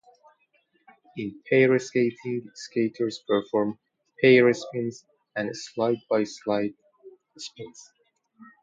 In pair skating, skaters perform "pair spins" and "side-by-side spins".